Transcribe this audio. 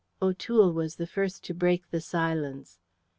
O'Toole was the first to break the silence.